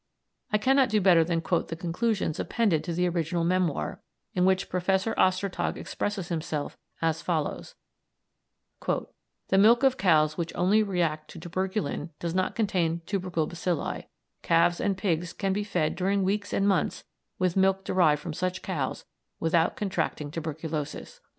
I cannot do better than quote the conclusions appended to the original memoir, in which Professor Ostertag expresses himself as follows: "The milk of cows which only react to tuberculin does not contain tubercle bacilli; calves and pigs can be fed during weeks and months with milk derived from such cows without contracting tuberculosis."